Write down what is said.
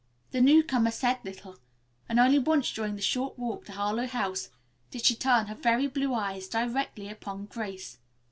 The newcomer said little, and only once during the short walk to Harlowe House did she turn a pair of very blue eyes directly upon Grace.